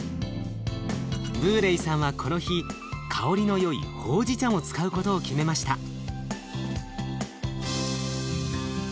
ブーレイさんはこの日香りのよいほうじ茶も使うことを決めました。